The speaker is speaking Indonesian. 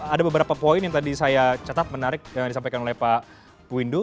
ada beberapa poin yang tadi saya catat menarik yang disampaikan oleh pak windu